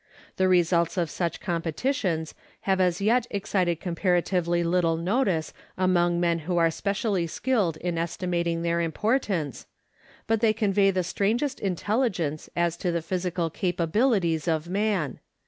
The results of such competitions have as yet excited comparatively little notice among men who are specially skilled in estimating their importance, but they convey the strangest intelligence as to the physical capabilities of man.